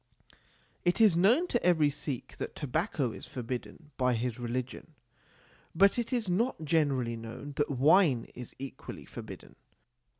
It is known to every Sikh that tobacco is forbidden by his religion, but it is not generally known that wine is equally forbidden.